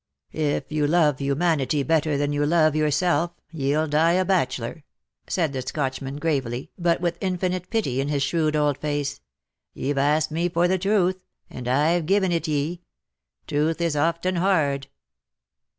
''" If you love humanity better than you love yourself, ye'll die a bachelor," said the Scotchman, gravely, but with infinite pity in his shrewd old face ;'' ye've asked me for the truth, and I've geeven it ye. Truth is often hard."